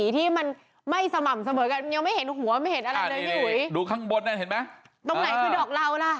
ตรงไหนเป็นดอกเหลาล่ะ